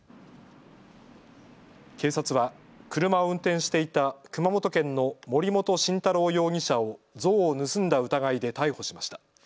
警察は車を運転していた熊本県の森本晋太郎容疑者を像を盗んだ疑いで逮捕しました。